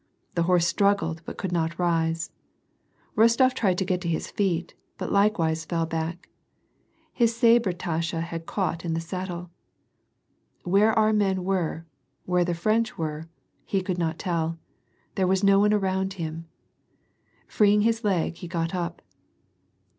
The horse struggled but could not rise. Rostof tried to get to his feet, but likewise fell back. His sabre tasche had ciaught on the saddle. Where our men were, where the French were, he could not tell. There was no one around him. ^ Freeing his leg, he got up.